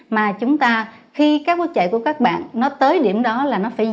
mà khi các bước chạy của các bạn tới điểm đó là nó phải dừng